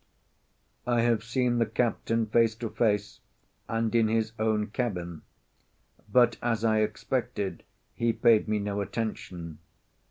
I have seen the captain face to face, and in his own cabin—but, as I expected, he paid me no attention.